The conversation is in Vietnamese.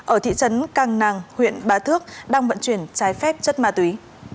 ở thị trấn căng nàng huyện bá thước đang vận chuyển trái phép chất ma túy